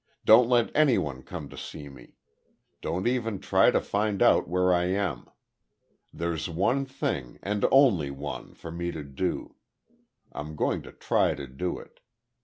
Don't let anyone come to see me. Don't even try to find out where I am. There's one thing, and only one, for me to do. I'm going to try to do it....